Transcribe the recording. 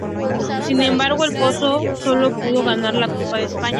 Sin embargo, ElPozo sólo pudo ganar la Copa de España.